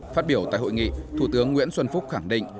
phát biểu tại hội nghị thủ tướng nguyễn xuân phúc khẳng định